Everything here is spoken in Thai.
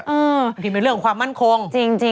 อันนี้เป็นเรื่องความมั่นคง